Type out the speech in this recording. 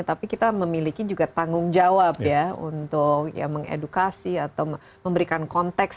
tapi kita memiliki juga tanggung jawab ya untuk mengedukasi atau memberikan konteks